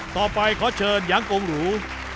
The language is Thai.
ต่อไปขอเชิญยังโกงหรู